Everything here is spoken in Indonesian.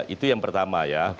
itu yang pertama ya